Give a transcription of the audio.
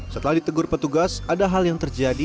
setelah ditegur petugas ada hal yang terjadi